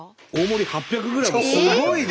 すごいね！